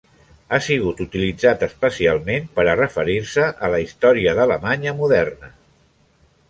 Ha sigut utilitzat especialment per a referir-se a la història d'Alemanya moderna.